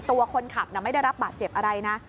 ตัวคนขับไม่ได้รับบาดเจ็บอะไรนะ